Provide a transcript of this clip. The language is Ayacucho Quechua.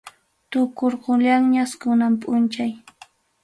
Tukurqullanñas kunan punchaw.